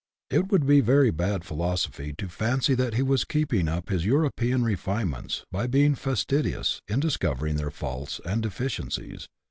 It would be very bad phi losophy to fancy that he was keeping up his European refine ments by being fastidious in discovering their faults and de ficiencies.